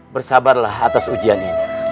bersabarlah atas ujian ini